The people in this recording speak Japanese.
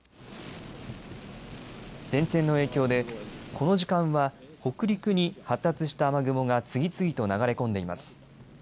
前線の影響でこの時間は北陸に発達した雨雲が次々と流れ込んでいます。